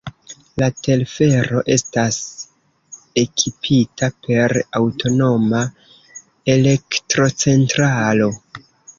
La telfero estas ekipita per aŭtonoma elektrocentralo.